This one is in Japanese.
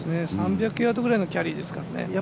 ３００ヤードぐらいのキャリーですからね。